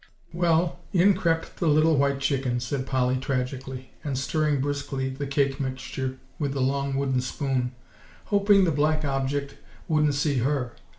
"Well, in crept the little white chicken," said Polly tragically, and stirring briskly the cake mixture with the long wooden spoon, "hoping the black object wouldn't see her.